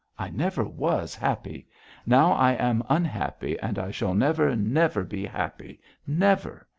I never was happy. Now I am unhappy and I shall never, never be happy, never!